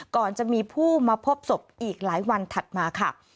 ก่อนจะมีผู้มาพบศพอีกหลายวันถัดมาค่ะ